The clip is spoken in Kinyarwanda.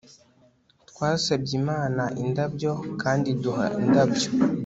twasabye imana indabyo kandi iduha indabyo